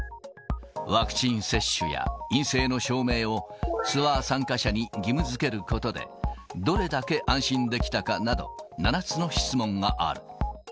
ワクチン接種や陰性の証明をツアー参加者に義務づけることで、どれだけ安心できたかなど、７つの質問がある。